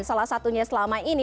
salah satunya selama ini